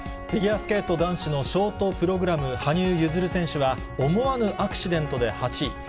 フィギュアスケート男子のショートプログラム、羽生結弦選手は、思わぬアクシデントで８位。